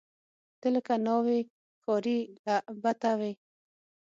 ته لکه ناوۍ، ښاري لعبته وې